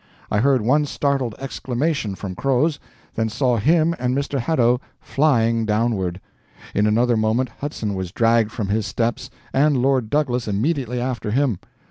I heard one startled exclamation from Croz, then saw him and Mr. Hadow flying downward; in another moment Hudson was dragged from his steps, and Lord Douglas immediately after him.